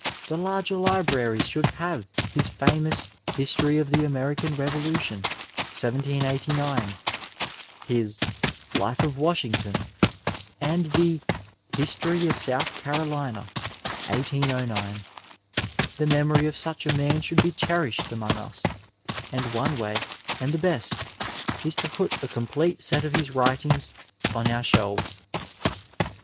The larger libraries should have his famous History of the American BeoohAion^ 1789, his Life of Washington, and the History of South Carolina^ 1809. The memory of such a man should be cherished among us, and one way — and the best — is to put a com plete set of his writings on our shelves.